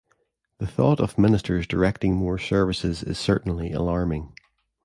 The thought of Ministers directing more services is certainly alarming.